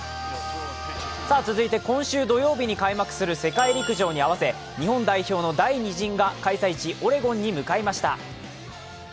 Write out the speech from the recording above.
続いて今週土曜日に開幕する世界陸上に合わせ日本代表の第２陣が開催地、オレゴンに向かいました。